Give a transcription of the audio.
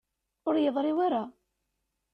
Ur yeḍṛi wara.